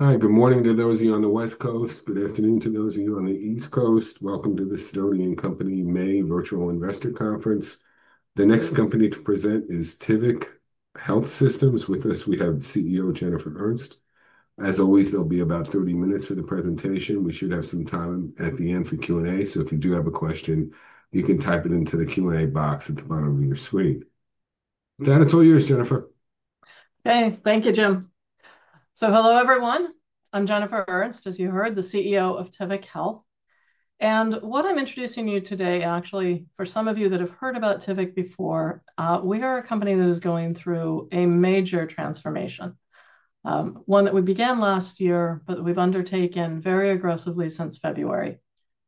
Hi, good morning to those of you on the West Coast. Good afternoon to those of you on the East Coast. Welcome to the Sidonian Company May Virtual Investor Conference. The next company to present is Tivic Health Systems. With us, we have CEO Jennifer Ernst. As always, there'll be about 30 minutes for the presentation. We should have some time at the end for Q&A, so if you do have a question, you can type it into the Q&A box at the bottom of your screen. That is all yours, Jennifer. Okay, thank you, Jim. Hello, everyone. I'm Jennifer Ernst, as you heard, the CEO of Tivic Health. What I'm introducing you to today, actually, for some of you that have heard about Tivic before, we are a company that is going through a major transformation, one that we began last year, but we've undertaken very aggressively since February.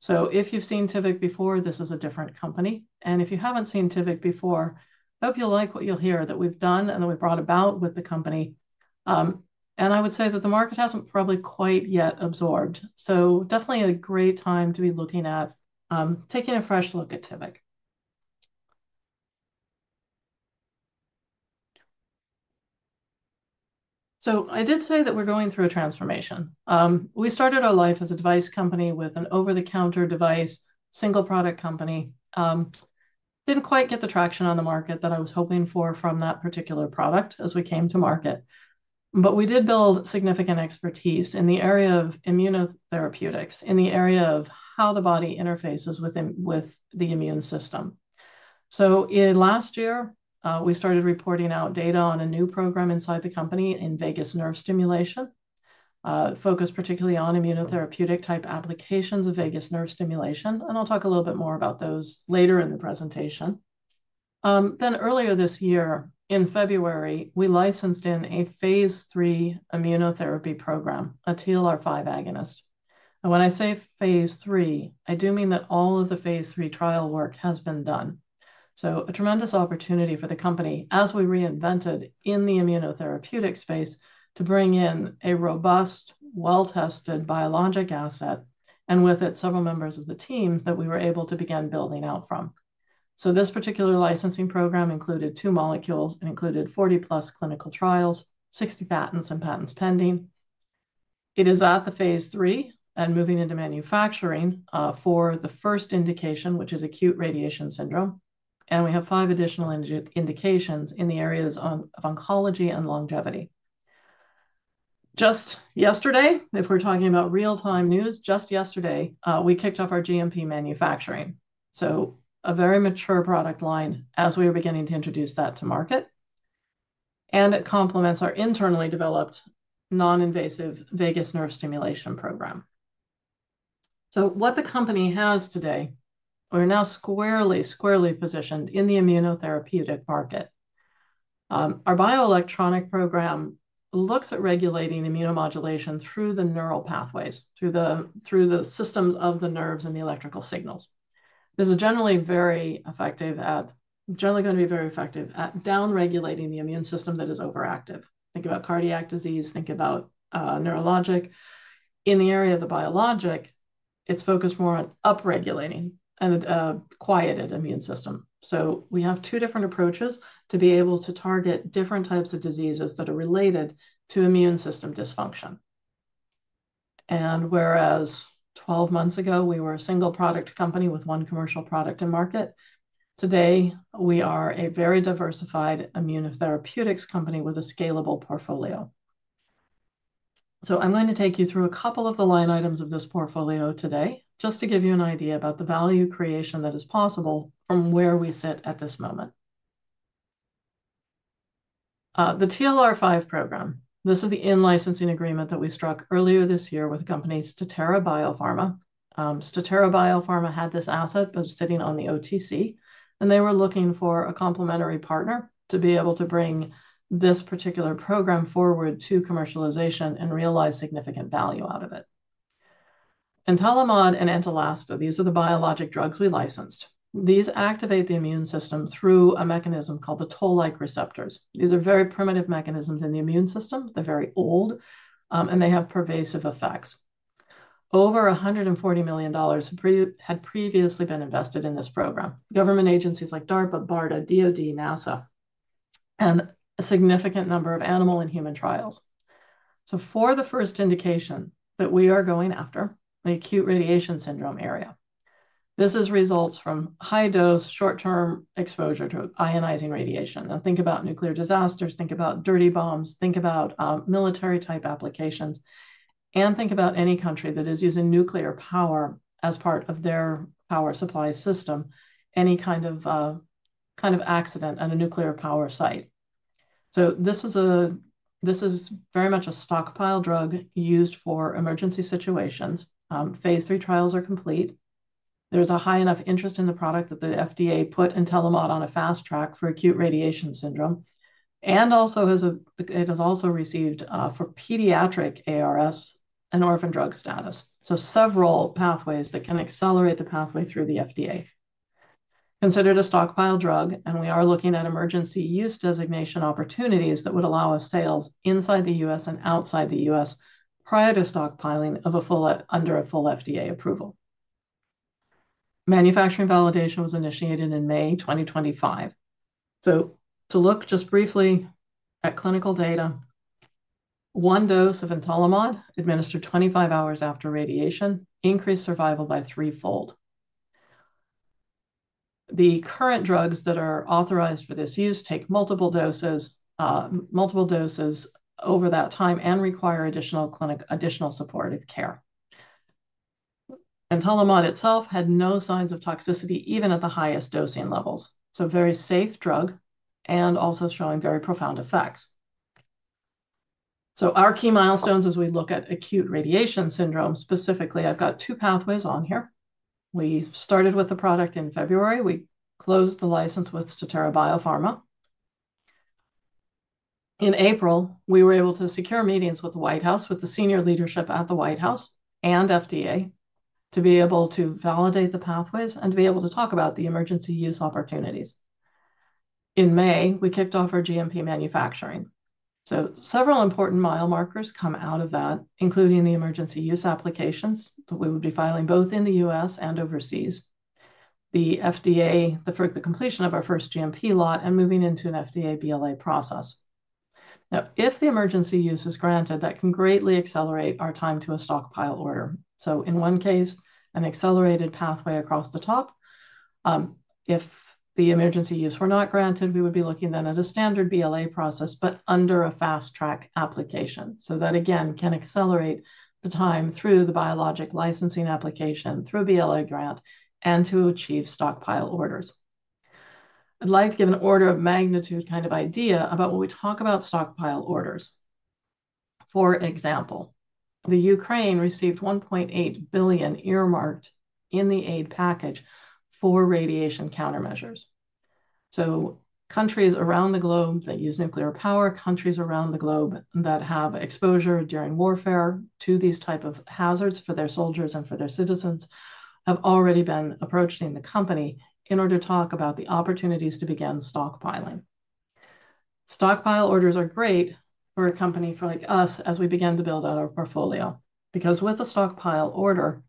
If you've seen Tivic before, this is a different company. If you haven't seen Tivic before, I hope you'll like what you'll hear that we've done and that we've brought about with the company. I would say that the market hasn't probably quite yet absorbed. Definitely a great time to be looking at, taking a fresh look at Tivic. I did say that we're going through a transformation. We started our life as a device company with an over-the-counter device, single product company. Didn't quite get the traction on the market that I was hoping for from that particular product as we came to market. But we did build significant expertise in the area of immunotherapeutics, in the area of how the body interfaces with the immune system. Last year, we started reporting out data on a new program inside the company in vagus nerve stimulation, focused particularly on immunotherapeutic type applications of vagus nerve stimulation. I'll talk a little bit more about those later in the presentation. Earlier this year, in February, we licensed in a phase three immunotherapy program, a TLR5 agonist. When I say phase three, I do mean that all of the phase three trial work has been done. A tremendous opportunity for the company as we reinvented in the immunotherapeutic space to bring in a robust, well-tested biologic asset, and with it, several members of the team that we were able to begin building out from. This particular licensing program included two molecules and included 40-plus clinical trials, 60 patents, and patents pending. It is at the phase three and moving into manufacturing for the first indication, which is acute radiation syndrome. We have five additional indications in the areas of oncology and longevity. Just yesterday, if we're talking about real-time news, just yesterday, we kicked off our GMP manufacturing. A very mature product line as we were beginning to introduce that to market. It complements our internally developed non-invasive vagus nerve stimulation program. What the company has today, we're now squarely, squarely positioned in the immunotherapeutic market. Our bioelectronic program looks at regulating immunomodulation through the neural pathways, through the systems of the nerves and the electrical signals. This is generally very effective at, generally going to be very effective at downregulating the immune system that is overactive. Think about cardiac disease, think about neurologic. In the area of the biologic, it's focused more on upregulating and quieted immune system. We have two different approaches to be able to target different types of diseases that are related to immune system dysfunction. Whereas 12 months ago, we were a single product company with one commercial product in market, today we are a very diversified immunotherapeutics company with a scalable portfolio. I'm going to take you through a couple of the line items of this portfolio today, just to give you an idea about the value creation that is possible from where we sit at this moment. The TLR5 program, this is the in-licensing agreement that we struck earlier this year with Statera Biopharma. Statera Biopharma had this asset that was sitting on the OTC, and they were looking for a complementary partner to be able to bring this particular program forward to commercialization and realize significant value out of it. Entolimod and Entolasta, these are the biologic drugs we licensed. These activate the immune system through a mechanism called the toll-like receptors. These are very primitive mechanisms in the immune system. They're very old, and they have pervasive effects. Over $140 million had previously been invested in this program, government agencies like DARPA, BARDA, DOD, NASA, and a significant number of animal and human trials. For the first indication that we are going after, the acute radiation syndrome area, this results from high-dose short-term exposure to ionizing radiation. Think about nuclear disasters, think about dirty bombs, think about military-type applications, and think about any country that is using nuclear power as part of their power supply system, any kind of accident at a nuclear power site. This is very much a stockpile drug used for emergency situations. Phase three trials are complete. There is a high enough interest in the product that the FDA put Entolimod on a fast track for acute radiation syndrome. It has also received, for pediatric ARS, orphan drug status. Several pathways can accelerate the pathway through the FDA. Considered a stockpile drug, and we are looking at emergency use designation opportunities that would allow us sales inside the U.S. and outside the U.S. prior to stockpiling under a full FDA approval. Manufacturing validation was initiated in May 2025. To look just briefly at clinical data, one dose of Entolimod administered 25 hours after radiation increased survival by threefold. The current drugs that are authorized for this use take multiple doses over that time and require additional supportive care. Entolimod itself had no signs of toxicity even at the highest dosing levels. Very safe drug and also showing very profound effects. Our key milestones as we look at acute radiation syndrome specifically, I've got two pathways on here. We started with the product in February. We closed the license with Statera Biopharma. In April, we were able to secure meetings with the White House, with the senior leadership at the White House and FDA to be able to validate the pathways and to be able to talk about the emergency use opportunities. In May, we kicked off our GMP manufacturing. Several important mile markers come out of that, including the emergency use applications that we would be filing both in the U.S. and overseas, the FDA, the completion of our first GMP lot and moving into an FDA BLA process. If the emergency use is granted, that can greatly accelerate our time to a stockpile order. In one case, an accelerated pathway across the top. If the emergency use were not granted, we would be looking then at a standard BLA process, but under a fast track application. That again can accelerate the time through the Biologic Licensing Application, through a BLA grant, and to achieve stockpile orders. I'd like to give an order of magnitude kind of idea about what we talk about stockpile orders. For example, Ukraine received $1.8 billion earmarked in the aid package for radiation countermeasures. Countries around the globe that use nuclear power, countries around the globe that have exposure during warfare to these types of hazards for their soldiers and for their citizens have already been approaching the company in order to talk about the opportunities to begin stockpiling. Stockpile orders are great for a company like us as we begin to build out our portfolio because with a stockpile order,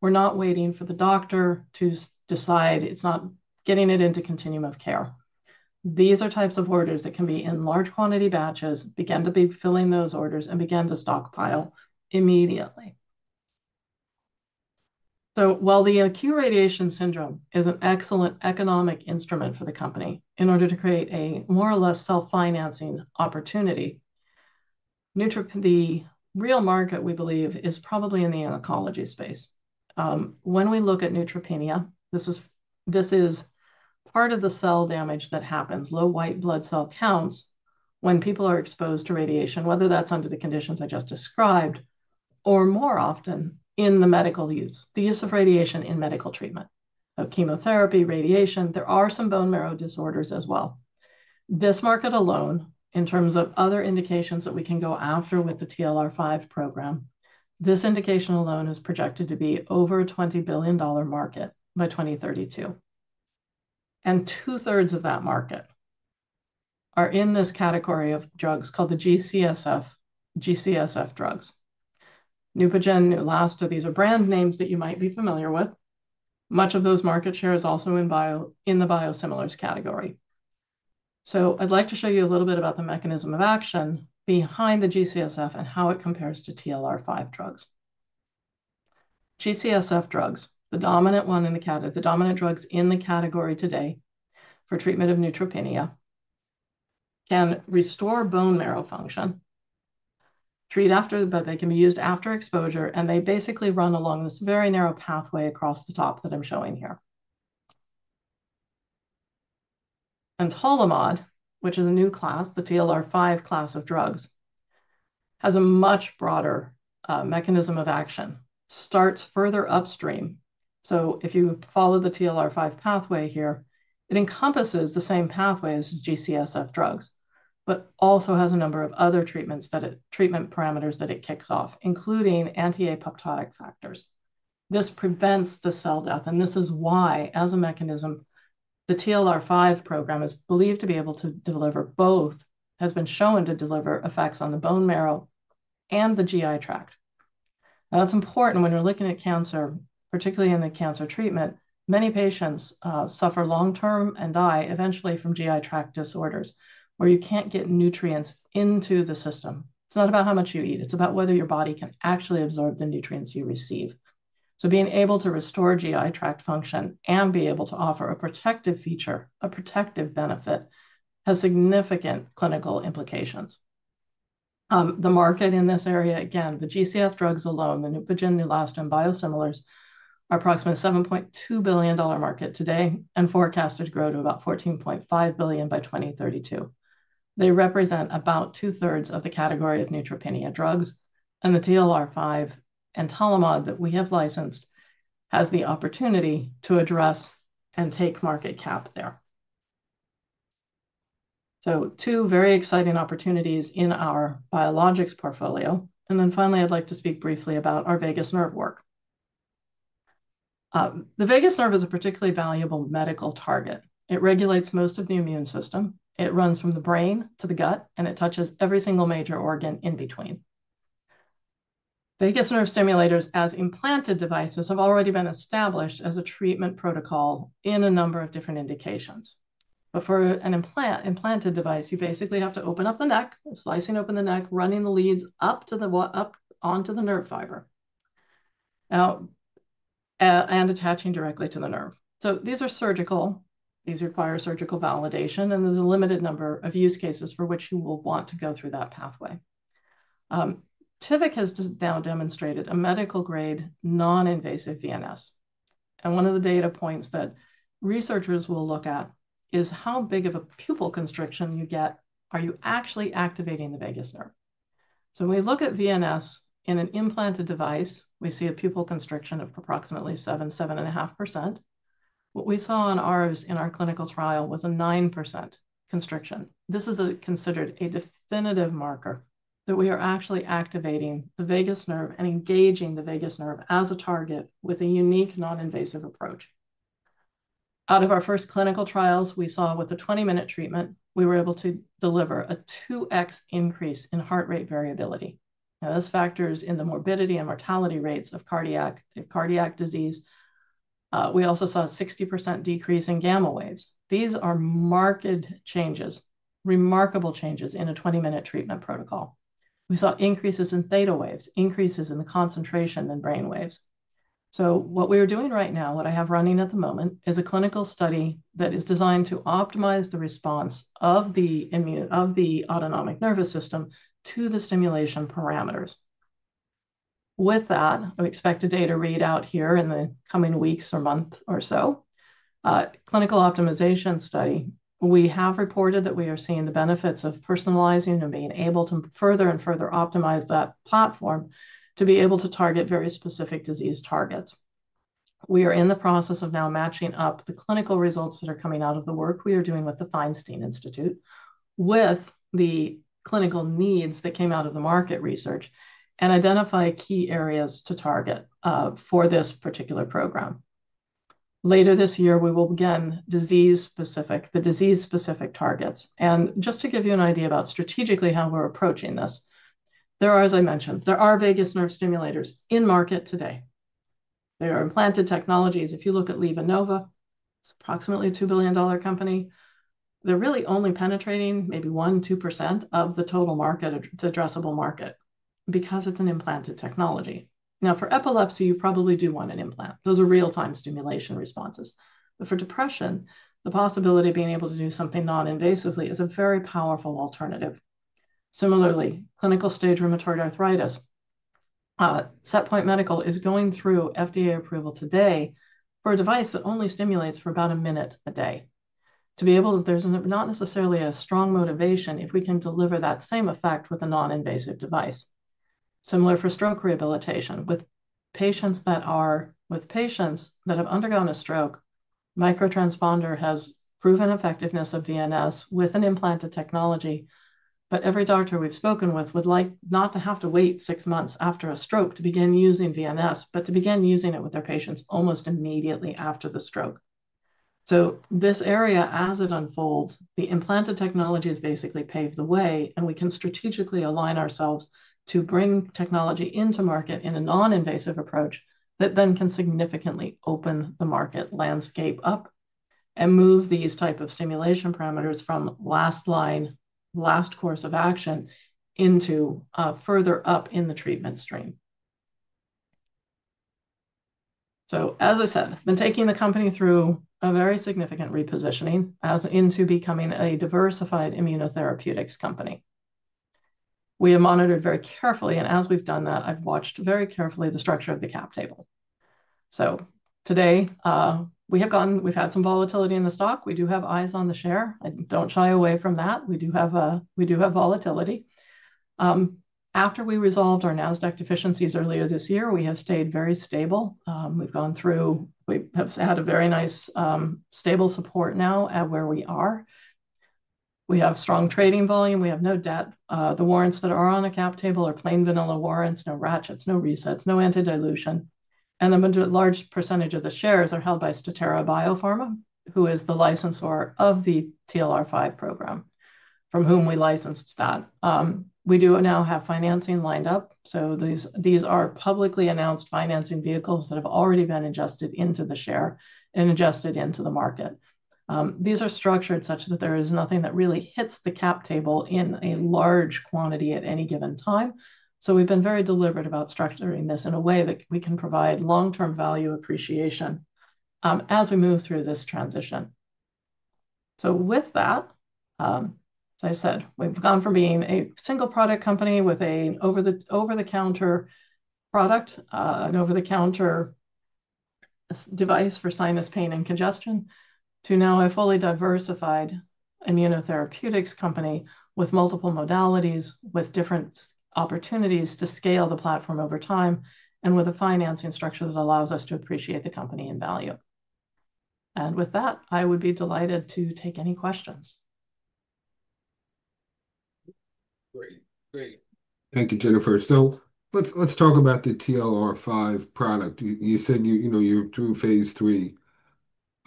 we're not waiting for the doctor to decide, it's not getting it into continuum of care. These are types of orders that can be in large quantity batches, begin to be filling those orders, and begin to stockpile immediately. While the acute radiation syndrome is an excellent economic instrument for the company in order to create a more or less self-financing opportunity, the real market we believe is probably in the oncology space. When we look at neutropenia, this is part of the cell damage that happens, low white blood cell counts when people are exposed to radiation, whether that's under the conditions I just described or more often in the medical use, the use of radiation in medical treatment, chemotherapy, radiation, there are some bone marrow disorders as well. This market alone, in terms of other indications that we can go after with the TLR5 program, this indication alone is projected to be over a $20 billion market by 2032. Two-thirds of that market are in this category of drugs called the G-CSF drugs. Neupogen, Neulasta, these are brand names that you might be familiar with. Much of that market share is also in the biosimilars category. I'd like to show you a little bit about the mechanism of action behind the G-CSF and how it compares to TLR5 drugs. G-CSF drugs, the dominant drugs in the category today for treatment of neutropenia, can restore bone marrow function, treat after, but they can be used after exposure, and they basically run along this very narrow pathway across the top that I'm showing here. Entolimod, which is a new class, the TLR5 class of drugs, has a much broader mechanism of action, starts further upstream. If you follow the TLR5 pathway here, it encompasses the same pathway as G-CSF drugs, but also has a number of other treatment parameters that it kicks off, including anti-apoptotic factors. This prevents the cell death, and this is why, as a mechanism, the TLR5 program is believed to be able to deliver both, has been shown to deliver effects on the bone marrow and the GI tract. Now, that's important when you're looking at cancer, particularly in the cancer treatment, many patients suffer long-term and die eventually from GI tract disorders where you can't get nutrients into the system. It's not about how much you eat. It's about whether your body can actually absorb the nutrients you receive. Being able to restore GI tract function and be able to offer a protective feature, a protective benefit, has significant clinical implications. The market in this area, again, the G-CSF drugs alone, the Neupogen, Neulasta, and biosimilars are approximately a $7.2 billion market today and forecasted to grow to about $14.5 billion by 2032. They represent about two-thirds of the category of neutropenia drugs, and the TLR5 Entolimod that we have licensed has the opportunity to address and take market cap there. Two very exciting opportunities in our biologics portfolio. Finally, I'd like to speak briefly about our vagus nerve work. The vagus nerve is a particularly valuable medical target. It regulates most of the immune system. It runs from the brain to the gut, and it touches every single major organ in between. Vagus nerve stimulators as implanted devices have already been established as a treatment protocol in a number of different indications. For an implanted device, you basically have to open up the neck, slicing open the neck, running the leads up onto the nerve fiber, and attaching directly to the nerve. These are surgical. These require surgical validation, and there's a limited number of use cases for which you will want to go through that pathway. Tivic has now demonstrated a medical-grade non-invasive VNS. One of the data points that researchers will look at is how big of a pupil constriction you get. Are you actually activating the vagus nerve? When we look at VNS in an implanted device, we see a pupil constriction of approximately 7-7.5%. What we saw in ours, in our clinical trial, was a 9% constriction. This is considered a definitive marker that we are actually activating the vagus nerve and engaging the vagus nerve as a target with a unique non-invasive approach. Out of our first clinical trials, we saw with the 20-minute treatment, we were able to deliver a 2x increase in heart rate variability. Now, this factors in the morbidity and mortality rates of cardiac disease. We also saw a 60% decrease in gamma waves. These are marked changes, remarkable changes in a 20-minute treatment protocol. We saw increases in theta waves, increases in the concentration in brain waves. What we are doing right now, what I have running at the moment, is a clinical study that is designed to optimize the response of the autonomic nervous system to the stimulation parameters. With that, I expect a data readout here in the coming weeks or month or so, clinical optimization study. We have reported that we are seeing the benefits of personalizing and being able to further and further optimize that platform to be able to target very specific disease targets. We are in the process of now matching up the clinical results that are coming out of the work we are doing with The Feinstein Institute with the clinical needs that came out of the market research and identify key areas to target for this particular program. Later this year, we will begin disease-specific, the disease-specific targets. Just to give you an idea about strategically how we're approaching this, there are, as I mentioned, there are vagus nerve stimulators in market today. They are implanted technologies. If you look at LivaNova, it's approximately a $2 billion company. They're really only penetrating maybe 1%-2% of the total market, the addressable market, because it's an implanted technology. Now, for epilepsy, you probably do want an implant. Those are real-time stimulation responses. For depression, the possibility of being able to do something non-invasively is a very powerful alternative. Similarly, clinical stage rheumatoid arthritis, Setpoint Medical is going through FDA approval today for a device that only stimulates for about a minute a day. To be able to, there's not necessarily a strong motivation if we can deliver that same effect with a non-invasive device. Similar for stroke rehabilitation with patients that have undergone a stroke, Microtransponder has proven effectiveness of VNS with an implanted technology, but every doctor we've spoken with would like not to have to wait six months after a stroke to begin using VNS, but to begin using it with their patients almost immediately after the stroke. This area, as it unfolds, the implanted technology has basically paved the way, and we can strategically align ourselves to bring technology into market in a non-invasive approach that then can significantly open the market landscape up and move these types of stimulation parameters from last line, last course of action into further up in the treatment stream. As I said, I've been taking the company through a very significant repositioning as into becoming a diversified immunotherapeutics company. We have monitored very carefully, and as we've done that, I've watched very carefully the structure of the cap table. Today we have gotten, we've had some volatility in the stock. We do have eyes on the share. I don't shy away from that. We do have volatility. After we resolved our NASDAQ deficiencies earlier this year, we have stayed very stable. We've gone through, we have had a very nice stable support now at where we are. We have strong trading volume. We have no debt. The warrants that are on the cap table are plain vanilla warrants, no ratchets, no resets, no anti-dilution. A large percentage of the shares are held by Statera Biopharma, who is the licensor of the TLR5 program, from whom we licensed that. We do now have financing lined up. These are publicly announced financing vehicles that have already been adjusted into the share and adjusted into the market. These are structured such that there is nothing that really hits the cap table in a large quantity at any given time. We have been very deliberate about structuring this in a way that we can provide long-term value appreciation as we move through this transition. With that, as I said, we've gone from being a single product company with an over-the-counter product, an over-the-counter device for sinus pain and congestion, to now a fully diversified immunotherapeutics company with multiple modalities, with different opportunities to scale the platform over time, and with a financing structure that allows us to appreciate the company and value. With that, I would be delighted to take any questions. Great. Thank you, Jennifer. Let's talk about the TLR5 product. You said you're through phase three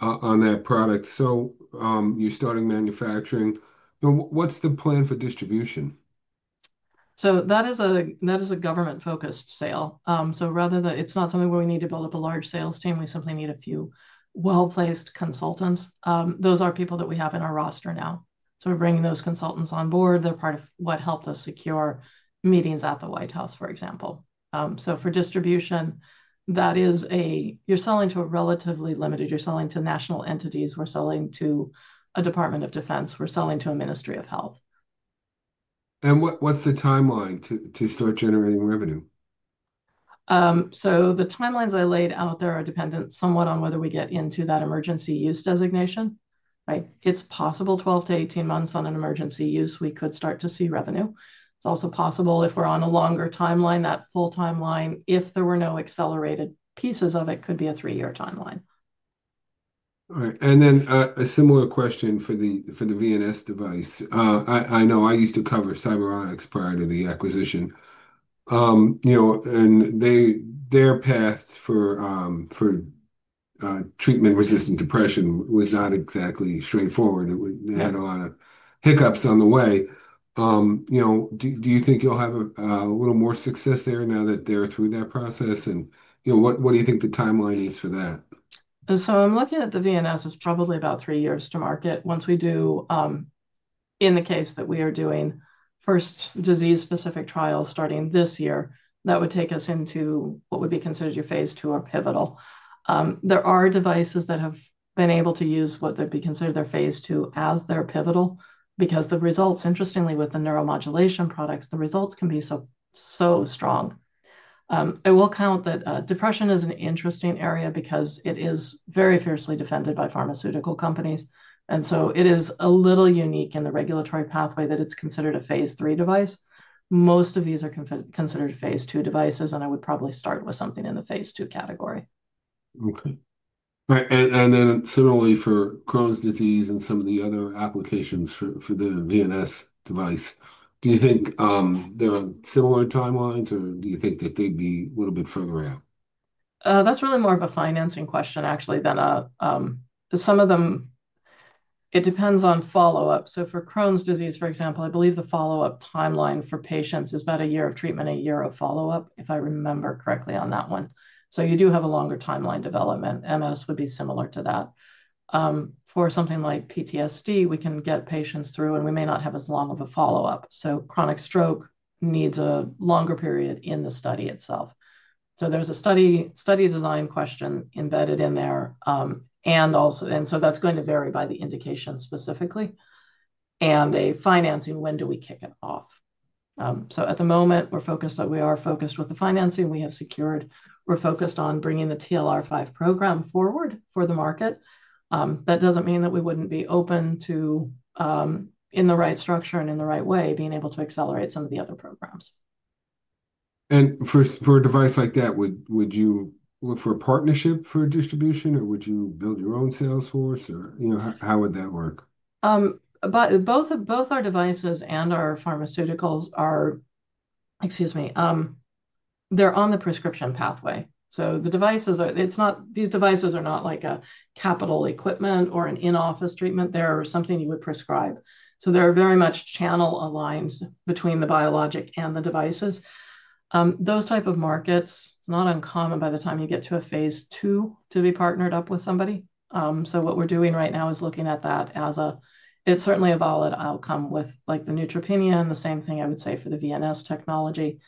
on that product. You're starting manufacturing. What's the plan for distribution? That is a government-focused sale. Rather than it being something where we need to build up a large sales team, we simply need a few well-placed consultants. Those are people that we have in our roster now. We're bringing those consultants on board. They're part of what helped us secure meetings at the White House, for example. For distribution, that is a, you're selling to a relatively limited, you're selling to national entities. We're selling to a Department of Defense. We're selling to a Ministry of Health. What's the timeline to start generating revenue? The timelines I laid out there are dependent somewhat on whether we get into that emergency use designation. It's possible 12-18 months on an emergency use, we could start to see revenue. It's also possible if we're on a longer timeline, that full timeline, if there were no accelerated pieces of it, could be a three-year timeline. All right. A similar question for the VNS device. I know I used to cover Cyberonics prior to the acquisition. Their path for treatment-resistant depression was not exactly straightforward. They had a lot of hiccups on the way. Do you think you'll have a little more success there now that they're through that process? What do you think the timeline is for that? I'm looking at the VNS as probably about three years to market. Once we do, in the case that we are doing first disease-specific trials starting this year, that would take us into what would be considered your phase two or pivotal. There are devices that have been able to use what would be considered their phase two as their pivotal because the results, interestingly, with the neuromodulation products, the results can be so strong. I will count that depression is an interesting area because it is very fiercely defended by pharmaceutical companies. It is a little unique in the regulatory pathway that it's considered a phase three device. Most of these are considered phase two devices, and I would probably start with something in the phase two category. Okay. And then similarly for Crohn's disease and some of the other applications for the VNS device, do you think they're on similar timelines, or do you think that they'd be a little bit further out? That's really more of a financing question, actually, than a some of them, it depends on follow-up. For Crohn's disease, for example, I believe the follow-up timeline for patients is about a year of treatment, a year of follow-up, if I remember correctly on that one. You do have a longer timeline development. MS would be similar to that. For something like PTSD, we can get patients through, and we may not have as long of a follow-up. Chronic stroke needs a longer period in the study itself. There's a study design question embedded in there. That's going to vary by the indication specifically and financing, when do we kick it off? At the moment, we're focused on, we are focused with the financing we have secured. We're focused on bringing the TLR5 program forward for the market. That doesn't mean that we wouldn't be open to, in the right structure and in the right way, being able to accelerate some of the other programs. For a device like that, would you look for a partnership for distribution, or would you build your own sales force, or how would that work? Both our devices and our pharmaceuticals are, excuse me, they're on the prescription pathway. The devices, these devices are not like a capital equipment or an in-office treatment. They're something you would prescribe. They're very much channel aligned between the biologic and the devices. Those type of markets, it's not uncommon by the time you get to a phase two to be partnered up with somebody. What we're doing right now is looking at that as a, it's certainly a valid outcome with the neutropenia. The same thing I would say for the VNS technology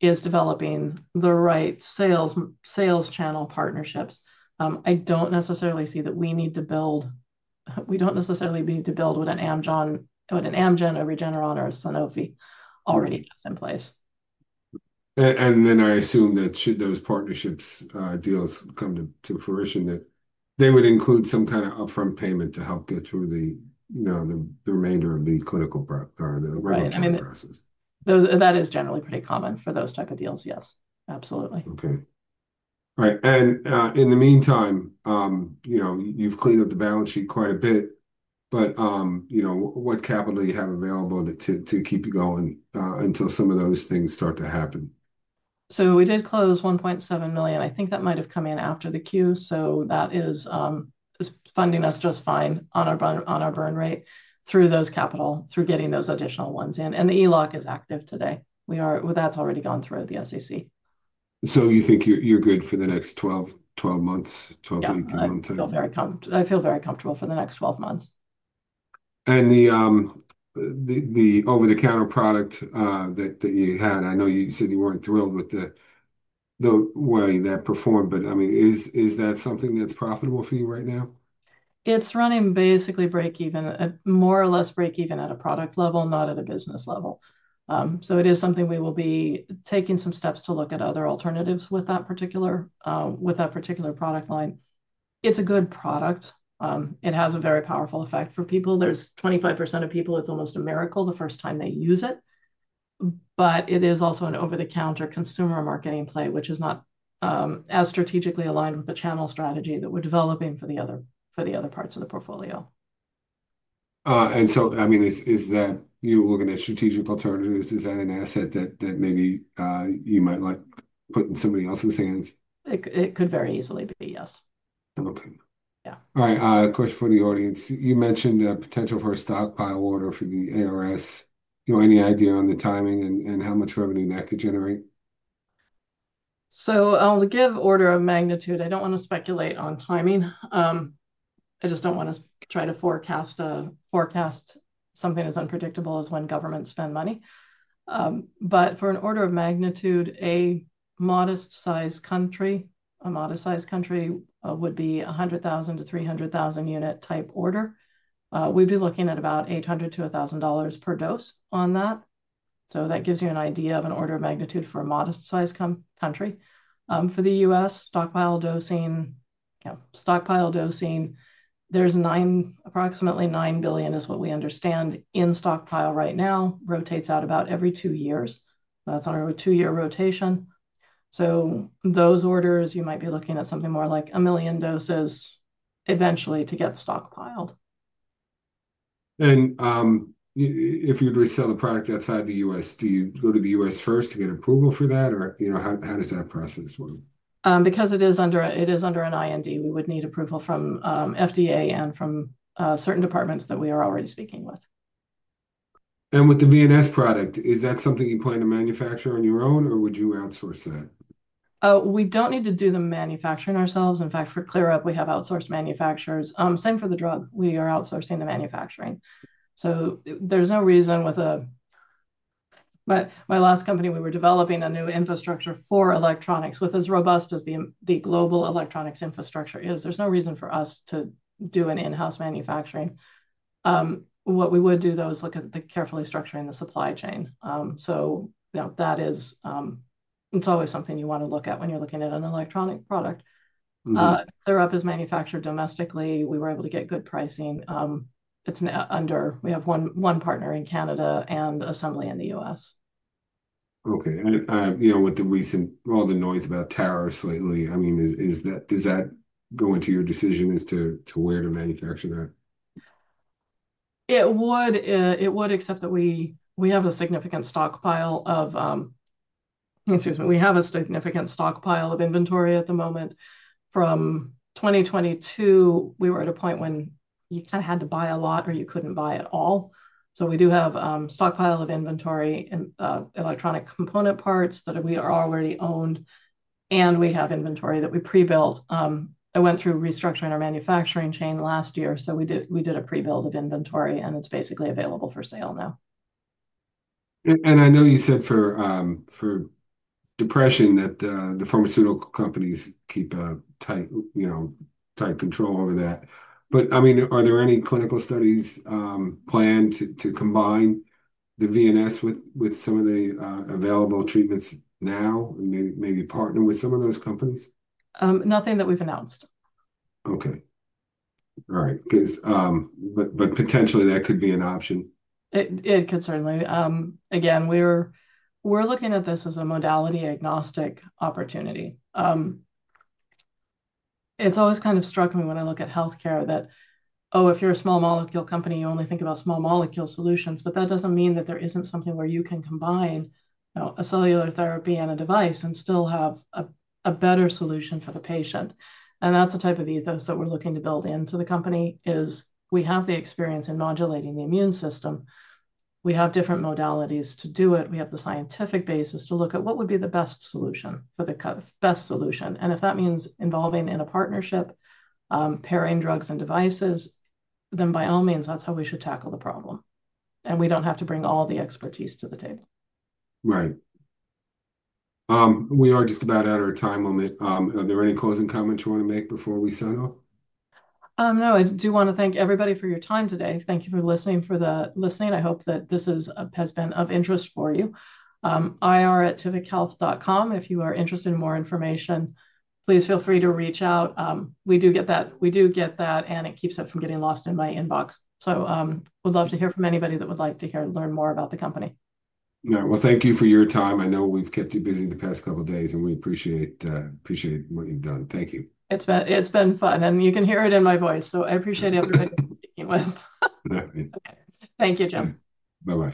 is developing the right sales channel partnerships. I don't necessarily see that we need to build, we don't necessarily need to build with an Amgen, a Regeneron, or a Sanofi already in place. I assume that should those partnerships deals come to fruition, they would include some kind of upfront payment to help get through the remainder of the clinical or the regulatory process. That is generally pretty common for those type of deals, yes. Absolutely. Okay. All right. In the meantime, you've cleaned up the balance sheet quite a bit, but what capital do you have available to keep you going until some of those things start to happen? We did close $1.7 million. I think that might have come in after the queue. That is funding us just fine on our burn rate through those capital, through getting those additional ones in. The ELOC is active today. That has already gone through the SEC. You think you're good for the next 12 months, 12-18 months? I feel very comfortable for the next 12 months. The over-the-counter product that you had, I know you said you were not thrilled with the way that performed, but I mean, is that something that's profitable for you right now? It's running basically break-even, more or less break-even at a product level, not at a business level. It is something we will be taking some steps to look at other alternatives with that particular product line. It's a good product. It has a very powerful effect for people. There's 25% of people, it's almost a miracle the first time they use it. It is also an over-the-counter consumer marketing play, which is not as strategically aligned with the channel strategy that we're developing for the other parts of the portfolio. I mean, is that you're looking at strategic alternatives? Is that an asset that maybe you might like putting in somebody else's hands? It could very easily be, yes. Okay. All right. A question for the audience. You mentioned a potential for a stockpile order for the ARS. Do you have any idea on the timing and how much revenue that could generate? I'll give order of magnitude. I don't want to speculate on timing. I just don't want to try to forecast something as unpredictable as when governments spend money. For an order of magnitude, a modest-sized country would be 100,000-300,000 unit type order. We'd be looking at about $800-$1,000 per dose on that. That gives you an idea of an order of magnitude for a modest-sized country. For the U.S., stockpile dosing, there's approximately $9 billion, is what we understand, in stockpile right now, rotates out about every two years. That's our two-year rotation. Those orders, you might be looking at something more like 1 million doses eventually to get stockpiled. If you'd resell the product outside the U.S., do you go to the U.S. first to get approval for that, or how does that process work? Because it is under an IND, we would need approval from FDA and from certain departments that we are already speaking with. With the VNS product, is that something you plan to manufacture on your own, or would you outsource that? We don't need to do the manufacturing ourselves. In fact, for ClearUP, we have outsourced manufacturers. Same for the drug. We are outsourcing the manufacturing. There's no reason with my last company, we were developing a new infrastructure for electronics. With as robust as the global electronics infrastructure is, there's no reason for us to do in-house manufacturing. What we would do, though, is look at carefully structuring the supply chain. That is, it's always something you want to look at when you're looking at an electronic product. ClearUP is manufactured domestically. We were able to get good pricing. We have one partner in Canada and assembly in the U.S. Okay. With the recent, all the noise about tariffs lately, I mean, does that go into your decision as to where to manufacture that? It would, except that we have a significant stockpile of, excuse me, we have a significant stockpile of inventory at the moment. From 2022, we were at a point when you kind of had to buy a lot or you couldn't buy at all. We do have a stockpile of inventory and electronic component parts that we already owned. We have inventory that we prebuilt. I went through restructuring our manufacturing chain last year. We did a prebuild of inventory, and it's basically available for sale now. I know you said for depression that the pharmaceutical companies keep tight control over that. I mean, are there any clinical studies planned to combine the VNS with some of the available treatments now, maybe partner with some of those companies? Nothing that we've announced. Okay. All right. Potentially, that could be an option. It could certainly. Again, we're looking at this as a modality-agnostic opportunity. It's always kind of struck me when I look at healthcare that, oh, if you're a small molecule company, you only think about small molecule solutions. That doesn't mean that there isn't something where you can combine a cellular therapy and a device and still have a better solution for the patient. That is the type of ethos that we are looking to build into the company. We have the experience in modulating the immune system. We have different modalities to do it. We have the scientific basis to look at what would be the best solution for the best solution. If that means involving in a partnership, pairing drugs and devices, then by all means, that is how we should tackle the problem. We do not have to bring all the expertise to the table. Right. We are just about out of our time limit. Are there any closing comments you want to make before we sign off? No, I do want to thank everybody for your time today. Thank you for listening. I hope that this has been of interest for you ir.tivichealth.com If you are interested in more information, please feel free to reach out. We do get that, and it keeps it from getting lost in my inbox. We'd love to hear from anybody that would like to hear and learn more about the company. All right. Thank you for your time. I know we've kept you busy the past couple of days, and we appreciate what you've done. Thank you. It's been fun. You can hear it in my voice. I appreciate everybody speaking with. Thank you, Jim. Bye-bye.